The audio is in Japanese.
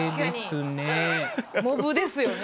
モブですよね